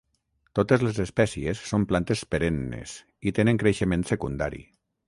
Totes les espècies són plantes perennes i tenen creixement secundari.